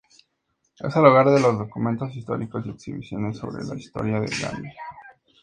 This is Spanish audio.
Es el hogar de los documentos históricos y exhibiciones sobre la historia de Gambia.